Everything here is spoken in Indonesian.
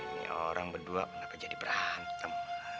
ini orang berdua kenapa jadi berantem